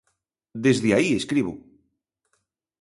Desde aí escribo.